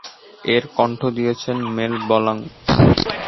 এর কন্ঠ দিয়েছেন mail blank.